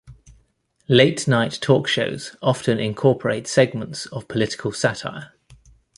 Late night talk shows often incorporate segments of political satire.